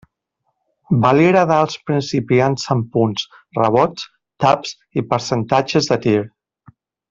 Va liderar els principiants en punts, rebots, taps i percentatges de tir.